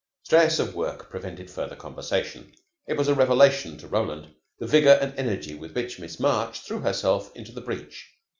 Stress of work prevented further conversation. It was a revelation to Roland, the vigor and energy with which Miss March threw herself into the breach.